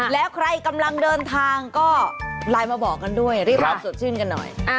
แล้วใครกำลังเดินทางก็ไลน์มาบอกกันด้วยรีบร้อนสดชื่นกันหน่อย